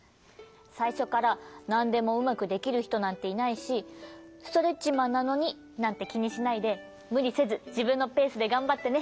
さいしょからなんでもうまくできるひとなんていないし「ストレッチマンなのに」なんてきにしないでむりせずじぶんのペースでがんばってね。